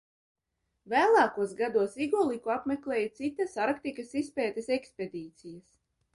Vēlākos gados Igluliku apmeklēja citas Arktikas izpētes ekspedīcijas.